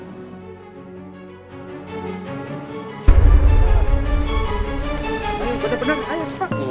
betul betul ayo pak